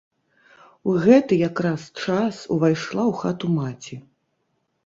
У гэты якраз час увайшла ў хату маці.